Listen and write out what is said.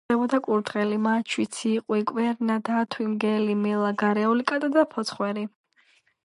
გარდა ამისა გვხვდებოდა კურდღელი, მაჩვი, ციყვი, კვერნა, დათვი, მგელი, მელა, გარეული კატა და ფოცხვერი.